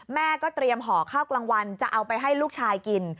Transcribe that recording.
แม่ก็เตรียมห่อข้าวกลางวันจะเอาไปให้ลูกชายกิน